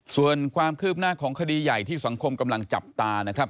ส่วนความคืบหน้าของคดีใหญ่ที่สังคมกำลังจับตานะครับ